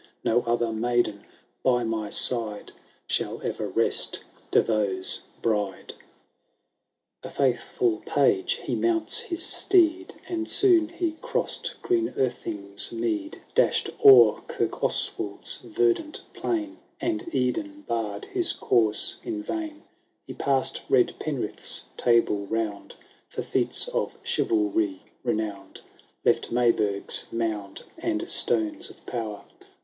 No other maiden by my side Shall ever rest De Vaux's bride !*' VII. The faithful Page he mounts his steed, And soon he crossed green Irthing's mead, Dash'd o*er Kirkoswald*s verdant plain, And Eden barrM his course in vain. He passM red Penrith^s Table Round, For feats of chivalry renownM, Left Maybuigh^s mound and stones of power.